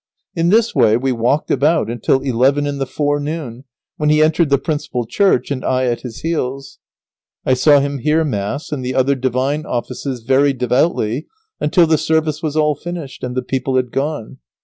In this way we walked about until eleven in the forenoon, when he entered the principal church, and I at his heels. I saw him hear Mass and the other divine offices very devoutly until the service was all finished, and the people had gone.